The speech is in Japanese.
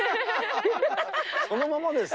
そのままです。